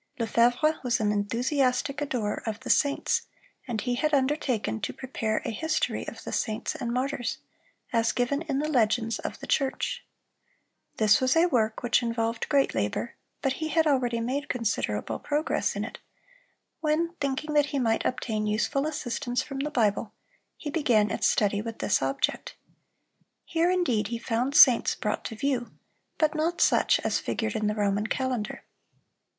Lefevre was an enthusiastic adorer of the saints, and he had undertaken to prepare a history of the saints and martyrs, as given in the legends of the church. This was a work which involved great labor; but he had already made considerable progress in it, when, thinking that he might obtain useful assistance from the Bible, he began its study with this object. Here indeed he found saints brought to view, but not such as figured in the Roman calendar.